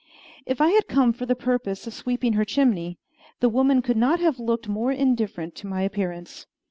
If I had come for the purpose of sweeping her chimney, the woman could not have looked more indifferent to my appearance.